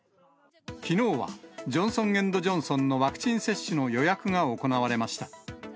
きのうはジョンソン・エンド・ジョンソンのワクチン接種の予約が行われました。